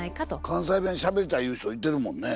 関西弁しゃべりたい言う人いてるもんね。